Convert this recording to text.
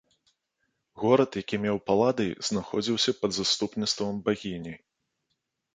Горад, які меў паладый, знаходзіўся пад заступніцтвам багіні.